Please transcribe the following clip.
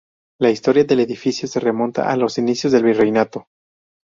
La historia del edificio se remonta a los inicios del virreinato.